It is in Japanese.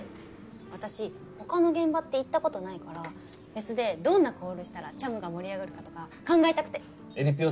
私ほかの現場って行ったことないからフェスでどんなコールしたらちゃむが盛り上がるかとか考えたくてえりぴよ